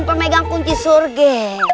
pemegang kunci surga